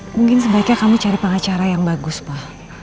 mungkin sebaiknya kamu cari pengacara yang bagus pak